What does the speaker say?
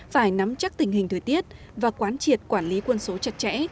phải nắm chắc tình hình thời tiết và quán triệt quản lý quân số chặt chẽ